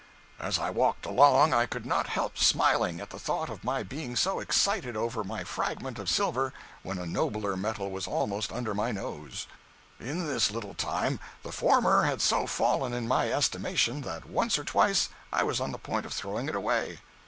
As I walked along I could not help smiling at the thought of my being so excited over my fragment of silver when a nobler metal was almost under my nose. In this little time the former had so fallen in my estimation that once or twice I was on the point of throwing it away.